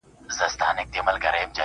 درد چي سړی سو له پرهار سره خبرې کوي,